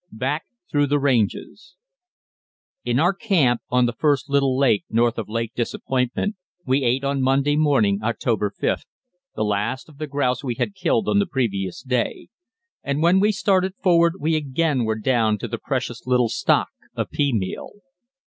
BACK THROUGH THE RANGES In our camp on the first little lake north of Lake Disappointment we ate on Monday morning (October 5th) the last of the grouse we had killed on the previous day, and when we started forward we again were down to the precious little stock of pea meal.